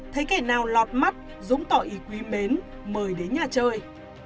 thấy kẻ nào lọt mắt dũng tỏ ý quý mến mời đến nhà chơi